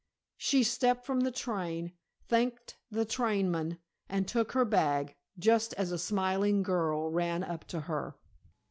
She stepped from the train, thanked the trainman and took her bag, just as a smiling girl ran up to her.